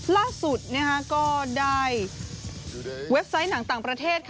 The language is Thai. ล่าสุดก็ได้เว็บไซต์หนังต่างประเทศ